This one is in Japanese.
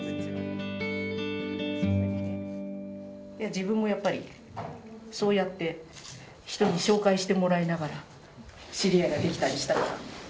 自分もやっぱりそうやって人に紹介してもらいながら知り合いができたりしたから。